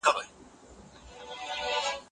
زه استاد ته جواب ورکوم.